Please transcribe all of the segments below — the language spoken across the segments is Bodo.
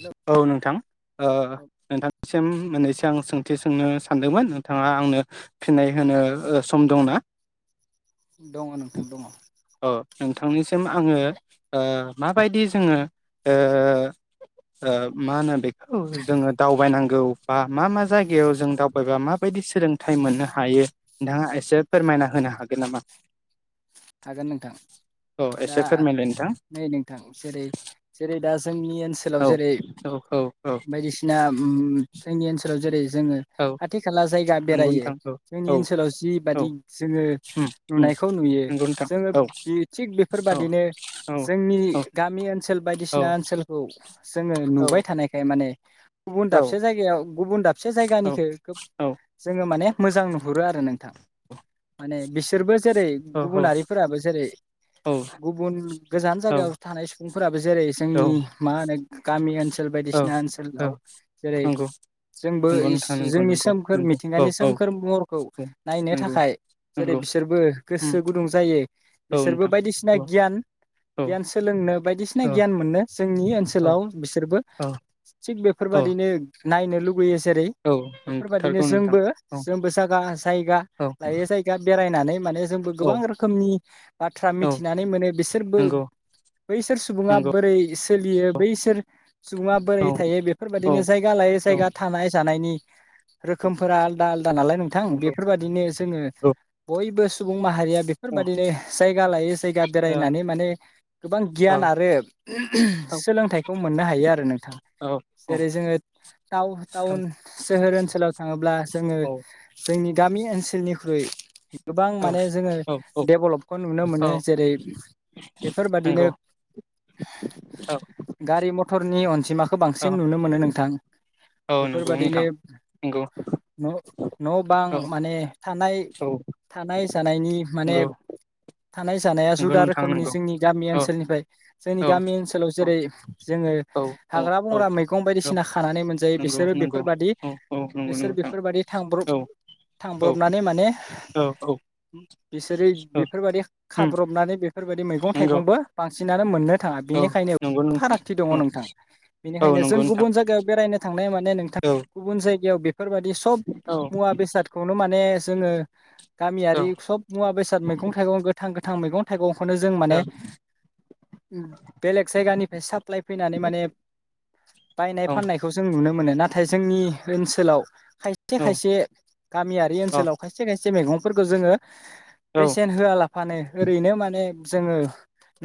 हेलौ औ नोंथां ओ औ नोंथांसिम मोननैसो आं सोंथि सोंनो सानदोंमोन नोंथाङा आंनो फिनाय होनो सम दंना दङ नोंथां दङ अ नोंथांनिसिम आङो ओ माबायदि जोङो ओ ओ मा होनो बेखौ जोङो दावबायनांगौ बा मा मा जायगायाव जों दावबायबा माबायदि सोलोंथाइ मोननो हायो नोंथाङा एसे फोरमायना होनो हागोन नामा हागोन नोंथां औ दा एसे फोरमायलाय नोंथां नै नोंथां जेरै जेरै दा जोंनि ओनसोलाव औ जेरै औ औ औ बायदिसिना उम जोंनि ओनसोलाव जेरै जोङो औ खाथि खाला जाय जायगा नंगौ बेरायो नोंथां औ जोंनि औ ओनसोलाव जिबादि जोङो उम उम नुनायखौ नुयो नंगौ नोंथां जोङो औ थिग औ बेफोरबादिनो औ जोंनि औ गामि ओनसोल बायदिसिना ओनसोलखौ जोङो औ नुबाय थानायखाय माने गुबुन औ दाबसे जायगायाव गुबुन दाबसे औ जायगानिखौ खोब औ जोङो माने मोजां नुहुरो आरो नोंथां माने बिसोरबो जेरै औ गुबुनारि जेरै गुबुन गोजान औ जायगायाव थानाय सुबुंफोराबो जेरै जोंनि औ मा [unintelligible] गामि ओनसो सोल औ बायदिसिना औ ओनसोलाव जेरै नंगौ जोंबो नंगौ इस नोंथां नंगौ जोंनि नंगौ सोमखोर नंगौ औ मिथिंगानि औ सोमखोर महरखौ औ नायनो नंगौ थाखाय जेरै नंगौ बिसोरबो उम गोसो गुदुं दे औ बिसोरबो नोंथां बायदिसिना औ गियान औ गियान सोलोंनो बायदिसिना औ गियान मोननो जोंनि औ ओनसोलाव बिसोरबो औ थिग औ बेफोरबायदिनो नायनोे लु लुगैयो जेरै औ बेफोर बायदिनो नंथारगौ नोंथां जोंबो औ जोंबो जाया जायगा औ लायो जायगा बेराय नानै माने जोंबो औ गोबां रोखो नि बाथ्रा औ मिथिनानै मोनो बिसोरबो नंगौ बैसोर सुबुङा नंगौ बोरै सोलियो औ बैसोर सुबुङा औ बोरै थायो औ बेफोरबायदिनो जायगा लायै औ जायगा थानाय जानायनि [inaudible] रोखोमफोरा आलदा आलदा नालाय नोंथां नंगौ बेफोर बायदिनो जोङो औ बयबो सु सुबुं माहारिया बिफोर बायदिनो जायगा लायोस जायगा बेरायनानै माने गोबां गियान आरो सोलोंथाइखौ मोननो हायो आरो नोंथाङा औ औ जेरै जोङो टा-टाउन सोहोर ओनसोलाव थाङोब्ला जोङो जोंनि गामि ओनसोलनिख्रुइ गोबां माने औ नंगौ औ जोङो डेभलपखौ नुनो मोनो जेरै बेफोरबादिनो गारि मथरनि अन जिमा खौ औ बांसिन नुनो मोनो नोंथां नंगौ बेफोरबादिनो नोंथां नंगौ न' न' बां औ माने थानाय औ थानाय जानायनि माने नंगौ थानाय जानाया नंगौ जुदा नोंथां रोखोमनि नंगौ जोंनि गामि औ ओनसोलनिफ्राय जोंनि औ गामि ओनसोलाव औ जेरै जोङो औ औ हाग्रा औ बंग्रा मैगं औ बायदिसिना खानानै मोनजायो नंगौ बिसोरो नंगौ बेफोरबादि औ औ नंगौ बिसोर नोंथां बेफोरबादि थांब्रब औ औ थांब्रबनानै माने औ औ बिसोरो औ बेफोरबादि उम खाब्रबनानै बेफ बेफोरबायदि मैगं नंगौ थाइगंबो बां बांसिनानो मोननो थाङा औ बेनिखायनो नंगौ नोंथां फारागथि दङ औ नोंथां औ बेनिखायनो जों नंगौ नोंथां गुबुन जायगायाव बेरायनो थांनाया माने नोंथां औ गुबुन जायगायाव बे फोरबायदि सब औ मुवा बेसादखौनो माने जोङो औ गामियारि सब मुवा बेसाद मैगं-थाइगं गोथां गोथ थां मैगं-थाइगं खौनो जों औ माने बेलेग जायगानिफ्राय साप्लााय फैनानै माने बायनाय औ फाननायखौ जों नुनो मोनो नाथाय जोंनि ओनसोलाव खायसे खायसे गामियारि ओनसोलाव खायसे खायसे से मैगंफोरखौ जोङो बेसेन होआलाफानो ओरैनो माने जोङो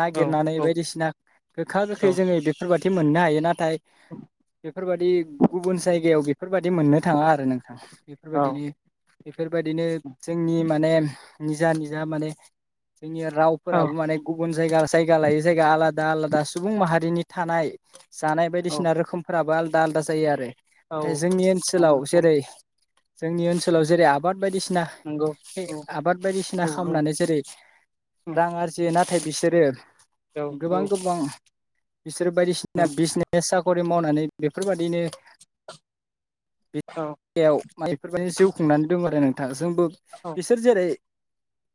नागिरनानै बायदिसिना गोखा गोखै जोङो बेफोरबायदि बिदि मोननो हायो नाथाय बेफोरबायदि गुबुन जायगायाव बेफोरबायदि मोननो थाङा आरो नोंथां बेफोरबायदिनो बेफोरबायदिनो जोंनि माने निजा निजा माने जोंनि रावफोराबो माने गुबुन जायगा जायगा लायै जायगा आलादा आलादा सुबुं माहारिनि थानाय जानाय बायदिसिना रोखोमफोराबो आलदा आलदा जायो आरो। नाथाय जोंनि ओनसोलाव जेरै जोंनि ओनसोलाव जेरै आबाद बायदिसि नोंगौ औ आबाद बायदिसिना औ औ खालामनानै जेरै रां आरजि नाथाय बिसोरो औ गोबां गोबां बिसोर बायदिसिना बिजनेसाव खरि मावनानै बेफोरबायदिनो बियाव म बेफोरबायदि जिउ खुंनानै दं आरो नों जोंबो औ बिस एरै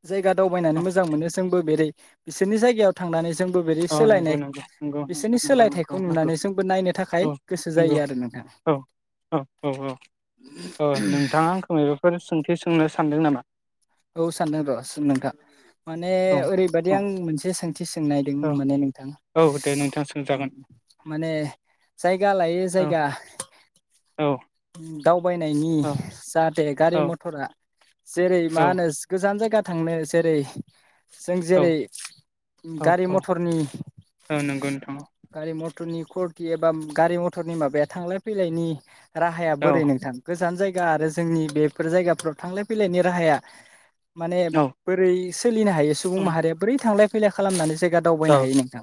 जायगा दावबायनानै मोजां मोनो जोंबो बेरै बिसोरनि जायगायाव थांनानै जोंबो बेरै औ नंगौ सोलायनाय नंगौ नंगौ बिसोरनि नंगौ नंगौ नंगौ सोलायथायखौ नंगौ नुनानै जोंबो नायनो थाखाय औ गोसो जायो नंगौ आरो नोंथां औ औ औ औ ओ नोंथाङा आंखौ मायबाफोर सों सोंनो सानदों नामा? औ सानदों र सो नोंथां माने औ ओरै बायदि औ आं मोनसे सों थि सोंनायदों औ माने नोंथां औ दे नोंथां उम सोंजागोन माने जायगा लायो औ जायगा औ उम दाव वायनायनि औ जाहाथे गारि औ मथरा जेरै मा होनोज गोजान जायगा थांनो जेरै जों औ जेरै गारि औ मथरनि औ नंगौ नोंथां गारि मथरनि करटि एबा गारि मथरनि माबाया थांलाय फैलायनि राहाया औ बोरै नोंथां गोजान जाय जाया आरो जोंनि बेफोर जायगाफोराव थांलाय फैलायनि राहाया माने औ बोरै सोलिनो हायो सुबुं माहारिया बोरै थांलाय फै फैलाय खालामनानै जो दावबायनो औ हायो नोंथां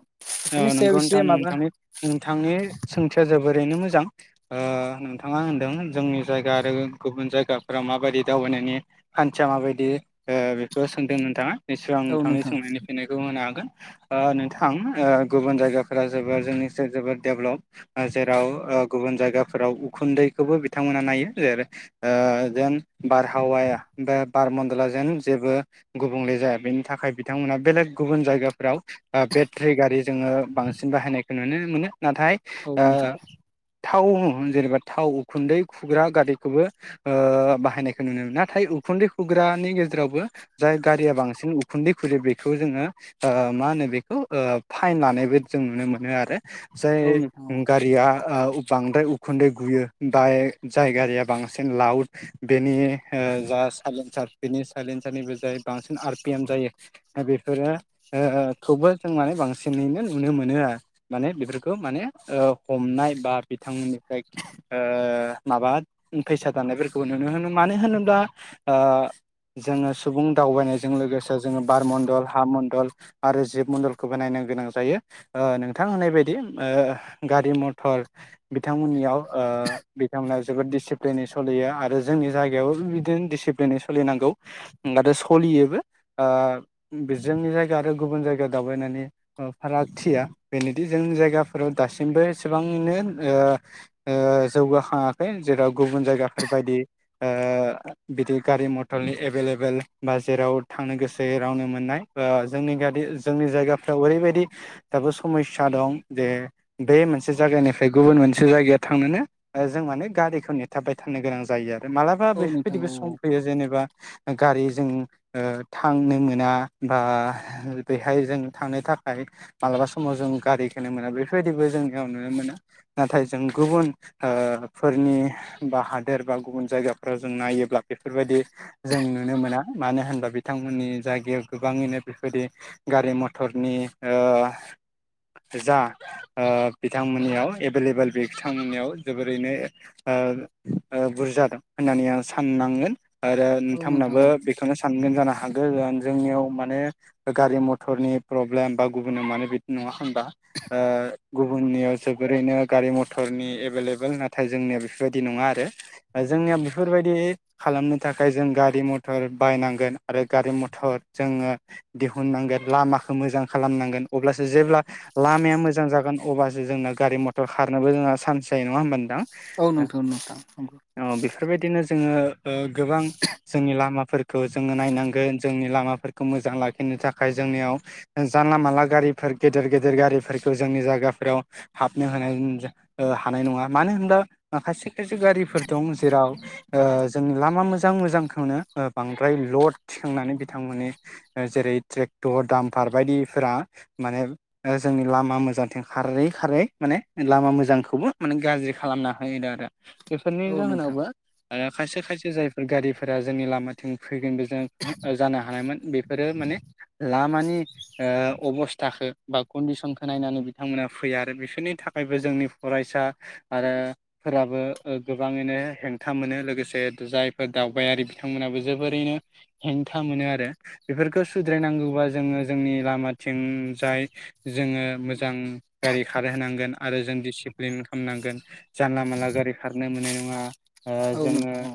ओ बेफोरनि सायाव नंगौ एसे माबा नोंथां नोंथांनि सोंथिया जोबोरैनो मोजां। मोजां ओ नोंथाङा होनदों जोंनि जायगा आरो गुबुन जायगाफोराव माबायदि दावबायनायनि खान्थिया माबायदि ओ बेखौ सोंदों नोंथाङा नसोरां औ नोंथांनि नोंथां सोंनायनि फिननायखौ होनो हा गोन। ओ नोंथां ओ गुबुन जायगा [unintelligible] दडेभलप जेराव गुबुन जायगाफोराव उखुन्दैखौबो बिथांमोना नायो जेरै ओ जेन बारहावाया बा बार मन्दला जेन जेबो गुबुंले जाया बेनि थाखाय बिथांमोना बेलेग गुबुन जायगाफोराव ओ बेटरि गारि जोङो बांसिन बाहायनाय नुनो मोनो। नाथाय औ नोंथां ओह थाव जेनेबा थाव उखुन्दै खुग्रा गारिखौबो बाहायनायखौ नुनो मोनो नाथाय उखुन्दै खुग्रानि गेजेरावबो जाय गारिया बांसिन उखुन्दै खुंदो बेखौ जोङो मा होनो बे बे खौ फाइन लानायबो जों नुनो मोनो आरो औ जाय नोंथां औ गारिया ओ बांद्राय उ उखुन्दै गुयो बाय जाय गारिया बांसिन लाउड बेनि ओ जा साइलेन्सार बेनि साइलेन्सारनिबो जाय बांसिन आर पि एम जायो बेफोरो ओ खौबो जों माने बांसिनैनो नुनो मोनो आरो माने बेफोरखौ माने ओ हमनाय बा बिथांमोन [unintelligible] ओह माबा फैसा दानायफोरखौबो नुनो मोनो मानो होनोब्ला ओ जोङो सुबुं दावबायनायजों लोगोसे जोङो बार मण्डल हा मण्डल आरो जिब मन्दलखौबो नायनो गोनां जायो नोंथां होननाय बायदि गारि मथर बिथांमोननियाव ओ बिथांमोना जोबोद डिसिप्लिनै सलियो आरो जोंनि जायगायावबो बिदिनो डिसिप्लिनै सोलिनांगौ आरो सोलियोबो ओ जोंनि जायगा आरो गुबुन जायगा दावबायनानै फारागथिया बेनोदि जोंनि जायगाफोराव दासिमबो एसेबांनो ओ ओ जौगाखाङाखै जेराव गुबुन जायगाफोरबायायदि ओ बिदि गारि मथरनि एभेलेबेल बा जेराव थांनो गोसो रावनो मोननाय ओ जोंनि गा जोंनि जायगाफ्राव ओरैबायाददि दाबो समस्या दं जे बे मोनसे जायगानिफ्राय गुबुन मोनसे जायगायाव थांनोनो जों माने गारिखौ नेथाबबाय थानो गोनां जायो आरो। मालाबा औ नोंथां बेफोरबायदिबो औ सम फैयो जेनेबा गारिजों ओ थांनो मोना बा बेहाय जों थांनो थाखाय मालाबा समाव जों गारिखोनो मोना बेफोरबायदिबो जोंनियाव नुनो मोना नाथाय जों गुबुन ओ फोरनि बा हादोर बा गुबुन जायगाफ्राव जों नायोब्ला बेफोरबायदि जों नुनो मोना मानो होनबा बिथांमोननि जायगायाव गोबाङैनो बेबायदि गारि मथरनि ओ जा बिथांमोननियाव एभेलेबेल बे बिथांमोननियाव जोबोरैनो ओ बुरजा दं होननानै आं साननांगोन । आरो नोंथांमोनहाबो बेखौनो सानगोन जानो हा हागोन जोंनियाव माने गारि मथ मटरनि प्रब्लेम बा गुबुनाव मानो बिदि नङा होनबा गुबुननियाव जोबोरैनो गारि मथरनि एभेलेबल नाथाय जोंनिया बेफोरबायदि नङा आरो जोंनिया बेफोरबायदि खालामनो थाखाय जों गारि मथर बायनांगोन आरो गारि मटर जोङो दिहुननांगोन। लामाखौ मोजां खालामनांगोन अब्लासो जेब्ला लामाया मोजां जागोन अब्लासो जोंना गारि मथर खारनोबो जोंहा चान्स जायो नङा होमबा नोंथां। औ नोंथां नोंथां। अ बेफोरबायदिनो जोङो ओ गोबां जोंनि लामा फोर खौ जोङो नायनांगोन जोंनि लामाफोरखौ मोजां लाखिनो थाखाय थाखाय जोंनियाव जानला मानला गारिफोर गेदेर गेदेर गारिफोरखौ जोंनि जागाफोराव हाबनो होनाय हानाय नङा मानो होनब्ला खायसे खायसे गारिफोर दं जेराव जों ओ लामा मोजां मोजांखौनो बांद्राय लड थिखांनानै बिथांमोननि जेरै ट्रेक्टर दामफार बायदिफोरा माने ओ जोंनि लामा मोजांथिं खारै खारै माने लामा मोजांखौबो माने गाज्रि खालामना होयोदों आरो। बेफोरनि औ नोंथां जाहोनावबो ओ खायसे खायसे जायफोर गारिफोरा जोंनि लामाथिं फैगोन बे जों जानो हानायमोन बेफोरो माने लामानि ओ अबस्थाखो बा कन्डिसनखौ नायनानै बिथांमोना फैया आरो बिसोरनि थाखायबो जोंनि फरायसा आरो फोराबो गोबाङैनो हेंथा मोनो लोगोसे जायफोर दावबायारि बिथांमोनाबो जोबोरैनो हेंथा मोनो आरो बेफोरखो सुद्रायनांगौबा जोङो जोंनि लामाथिंजाय जोङो मोजां गारि खार होनोनांगोन आरो जों दिसिप्लिन खालामनांगोन जानला मानला गारि खारनो मोननाय नङा औ जोङो नोंथां औ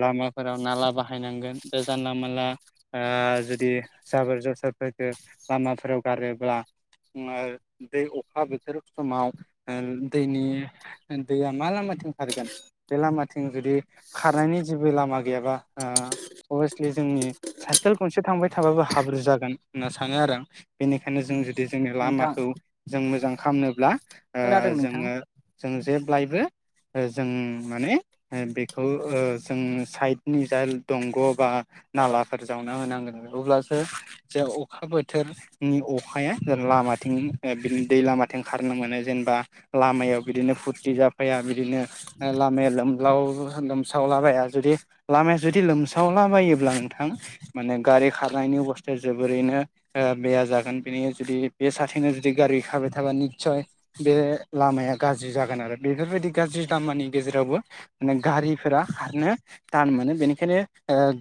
लामाफोराव ओ नाला बाहायनांगोन। जानला मानला ओ जुदि जाबोर जसोरफोरखौ लामाफोराव गारोब्ला दै अखा बोथोर समाव दैनि दैया मा लामाथिं खारगोन बे लामाथिं जुदि खारनायनि जेबो लामा गैयाबा अभिसलि जोंनि साइकेल गंसे थांबाय थाबाबो हाब्रु जागोन होनना सानो आरो आं बेनिखायनो जों जुदि जोंनि नोंथां लामाखौ जों मोजां खालामनोब्ला खोनादों नोंथां जोङो जों जेब्लायबो जों माने बेखौ जों साइडनि जा दंग' बा नालाफोर जावना होनांगोन अब्लासो जे अखा बोथोरनि अखाया लामाथिं बिदि दै लामाथिं खारनो मोनो जेनेबा लामायाव बिदिनो फुरथि जाफाया बिदिनो लामाया लोमसावला बाया जुदि लामाया जुदि लोमसावलाबायोब्ला नोंथां माने गारि खारनायनि अबस्थाया जोबोरैनो बेया जागोन बेनि जुदि बे सााथनो जुदि गारि खारबाय थाबा निस्सय बे लामाया गाज्रि जागोन आरो बे बेफोरबायदि गाज्रि दामानि गेजेरावबो गारिफोरा खारनो थान मोनो बेनिखायनो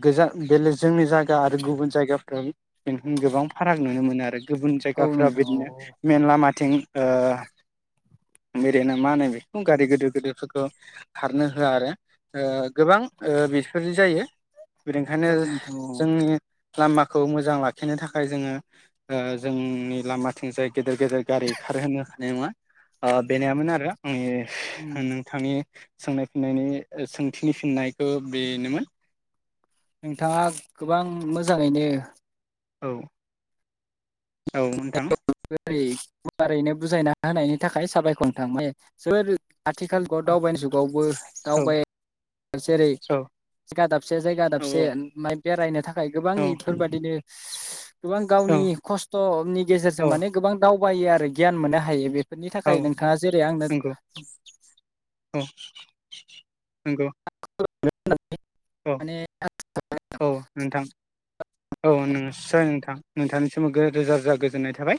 गोज बेले जोंनि जायगा आरो गुबुन जायगाफ्राव बेनो गोबां फाराग नुनो मोनो आरो। गुबुन औ जायगाफ्राव नोंथां औ बिदिनो मेन लामा बिथिं ओ ओरैना मा होनो बेखौ गारि गोदोर गोदोरफोरखौ खारनो होआ आरो गोबां बेफोर जायो । बेनिखायनो औ नोंथां औ जोंनि लामाखौ मोजां लाखिनो थाखाय जोङो ओ जोंनि लामाथिंजाय गेदेर गेदेर गारि खारहोनो हानाय नङा बेनायामोन आरो। उम आनि नोंथांनि सोंनाय फिननायनि सोंथिनि फिननायखो बेनोमोन । नोंथांङा गोबां मोजांङैनो औ औ नोंथां ओरै गुवारैनो बुजायना होनायनि थाखाय साबायखर नोंथां ने सोर आथिखाल [unintelligible] औ दावबायनाय जुगावबो औ दावबाय जेरै औ जायगा दाबसे जायगा दाबसे माय बेरायनो था खाय गोबां औ इफोरबायदिनो गोबां गावनि खस्थ अ नि गेजेरजों औ औ माने गोबां दा दावबायो आरो गियान मोननो हायो बे बेनि औ थाखाय नोंथांङा जेरै आंनो अ नोंगो [unintelligible] माने औ नोंथां औ [unintelligible] नोंथां नोंथांनि [unintelligible] रोजा रोजा गोजोननाय थाबाय